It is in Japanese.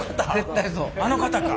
あの方か。